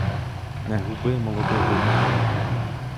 Не губи молодого віку.